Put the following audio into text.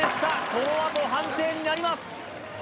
このあと判定になります